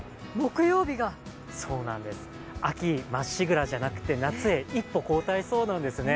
秋まっしぐらじゃなくて夏へ一歩後退しそうなんですね。